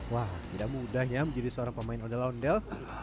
wah tidak mudah ya menjadi seorang pemain ondel ondel